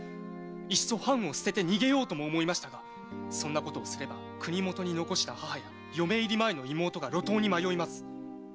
いっそ藩を捨てて逃げようかとですがそんなことをすれば国元に残した母や嫁入り前の妹が路頭に迷います。